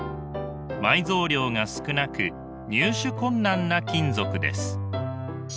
埋蔵量が少なく入手困難な金属です。